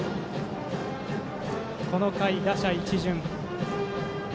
この回、打者一巡。